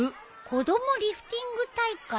子どもリフティング大会？